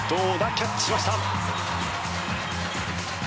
キャッチしました。